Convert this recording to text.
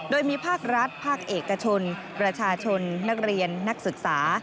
โดยมีภาครัฐภาคเอกชนประชาชนนักเรียนนักศึกษา